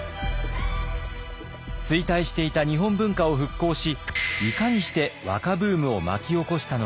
衰退していた日本文化を復興しいかにして和歌ブームを巻き起こしたのか。